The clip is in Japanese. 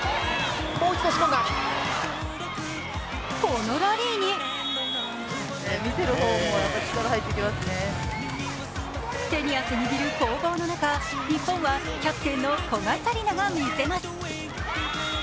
このラリーに手に汗握る攻防の中、日本はキャプテンの古賀紗理那がみせます。